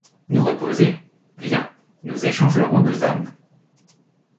Nous reposer ! Viens ! nous échangerons nos âmes